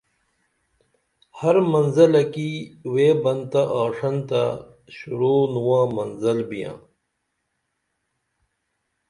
ہر منزلہ کی ویبئین تہ آݜنتہ شروع نواں منزل بیاں